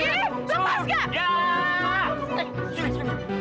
eh lepas kek